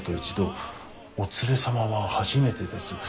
お連れ様は初めてです。